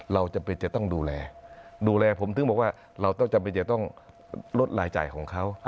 เราจำเป็นจะต้องดูแลดูแลผมถึงบอกว่าเราต้องจำเป็นจะต้องลดรายจ่ายของเขา